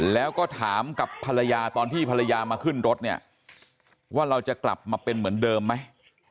แล้วก็ถามกับภรรยาตอนที่ภรรยามาขึ้นรถเนี่ยว่าเราจะกลับมาเป็นเหมือนเดิมไหม